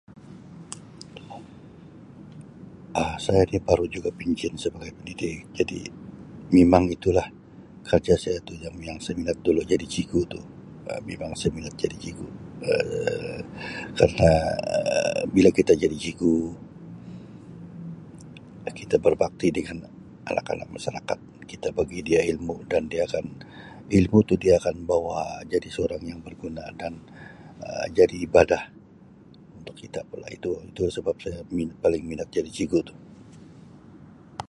Um Saya ini baru juga pencen sebagai pendidik jadi mimang itulah kerja saya yang saya minat dulu jadi cigu tu Um mimang saya minat jadi cigu kerna[Um] bila kita jadi cigu kita berbakti dengan anak-anak masyarakat kita bagi dia ilmu dan dia akan ilmu tu dia akan bawa jadi seorang yang berguna dan jadi Um ibadah untuk kita itu sebab saya paling minat jadi cigu itu.